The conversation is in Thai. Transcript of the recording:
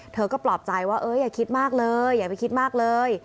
เธอก็ปลอบใจว่าอย่าคิดมากเลยอย่าไปคิดมากเลย